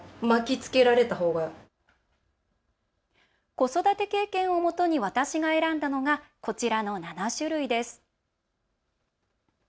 子育て経験をもとに私が選んだのがこちらの７種類です。